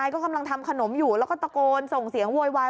ก็กำลังทำขนมอยู่แล้วก็ตะโกนส่งเสียงโวยวาย